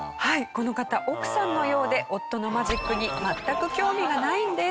この方奥さんのようで夫のマジックに全く興味がないんです。